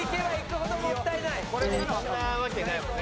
こんなわけないもんね